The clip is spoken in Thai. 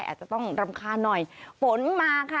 อาจจะต้องรำคาญหน่อยฝนมาค่ะ